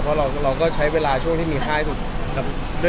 เพราะเราก็ใช้เวลาที่มีค่าให้สุด